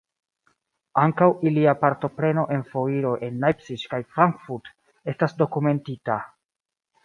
Ankaŭ ilia partopreno en foiroj en Leipzig kaj Frankfurt estas dokumentita.